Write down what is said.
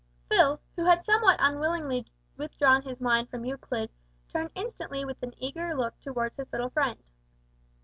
Phil, who had somewhat unwillingly withdrawn his mind from Euclid, turned instantly with an eager look towards his little friend.